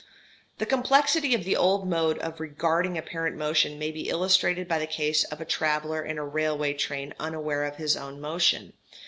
The complexity of the old mode of regarding apparent motion may be illustrated by the case of a traveller in a railway train unaware of his own motion.